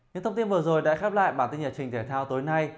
những thông tin vừa rồi đã khép lại bản tin nhật trình thể thao tối nay